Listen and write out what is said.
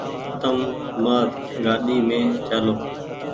تم مآر گآڏي مين چآلو ۔